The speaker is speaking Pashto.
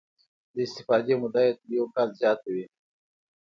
د استفادې موده یې تر یو کال زیاته وي.